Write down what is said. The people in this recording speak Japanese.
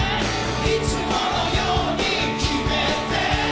「いつものようにキメて」